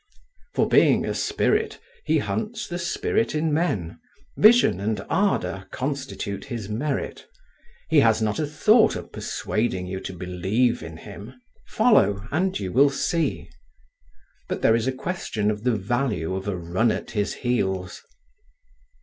For being a spirit, he hunts the spirit in men; vision and ardour constitute his merit; he has not a thought of persuading you to believe in him. Follow and you will see. But there is a question of the value of a run at his heels.